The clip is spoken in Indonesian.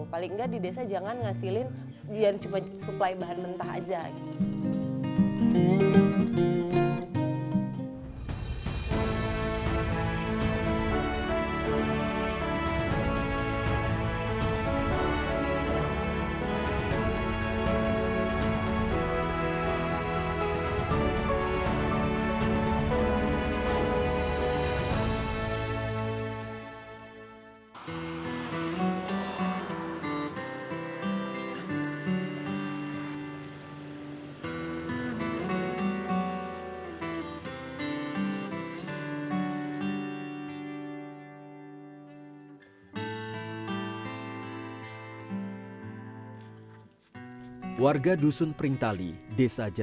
paling nggak di desa jangan ngasilin biar cuma supply bahan mentah aja